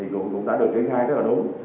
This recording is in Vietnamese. cũng đã được triển khai rất đúng